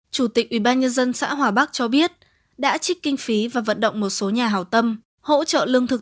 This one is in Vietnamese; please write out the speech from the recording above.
chủ tịch ubnd xã hòa bắc cho biết đã trích kinh phí và vận động một số nhà hào tâm hỗ trợ lương thực